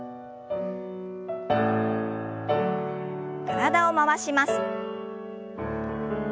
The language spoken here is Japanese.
体を回します。